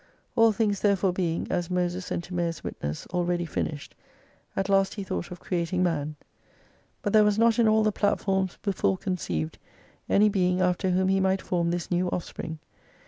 All things therefore being (as Moses and Timasus witness) already finished, at last He thought of creating man. But there was not in all the platforms before conceived any being after whom He might form this new offspring.